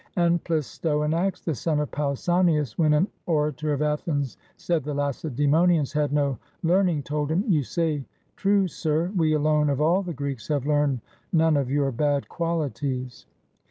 And Plistoanax, the son of Pausanias, when an orator of Athens said the Lacedaemonians had no learn ing, told him, "You say true, sir; we alone, of all the Greeks have learned none of your bad qualities."